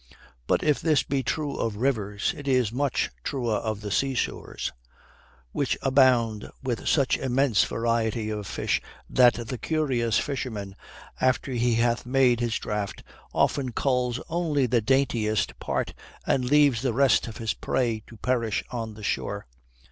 But if this be true of rivers, it is much truer of the sea shores, which abound with such immense variety of fish that the curious fisherman, after he hath made his draught, often culls only the daintiest part and leaves the rest of his prey to perish on the shore.